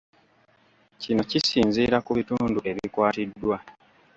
Kino kisinziira ku bitundu ebikwatiddwa